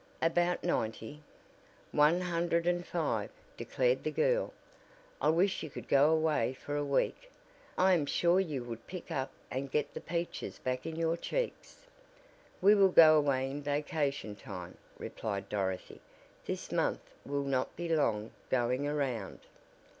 "About ninety?" "One hundred and five," declared the girl. "I wish you could go away for a week. I am sure you would pick up and get the peaches back in your cheeks." "We will go away in vacation time," replied Dorothy. "This month will not be long going around."